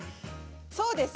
そうです。